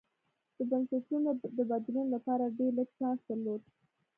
د بنسټونو د بدلون لپاره ډېر لږ چانس درلود.